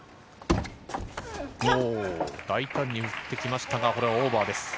大胆に打ってきましたがこれはオーバーです。